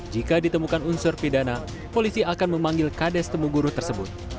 jika ditemukan unsur pidana polisi akan memanggil kd temuguru tersebut